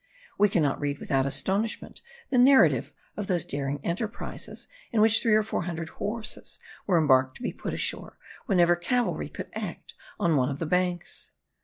We cannot read without astonishment the narrative of those daring enterprises, in which three or four hundred horses were embarked to be put ashore whenever cavalry could act on one of the banks.